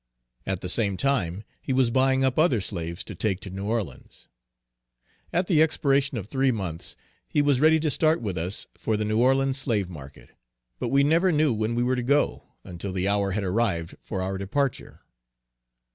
At the same time he was buying up other slaves to take to New Orleans. At the expiration of three months he was ready to start with us for the New Orleans slave market, but we never knew when we were to go, until the hour had arrived for our departure.